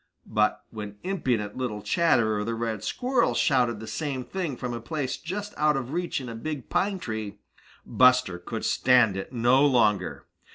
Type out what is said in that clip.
But when impudent little Chatterer the Red Squirrel shouted the same thing from a place just out of reach in a big pine tree, Buster could stand it no longer.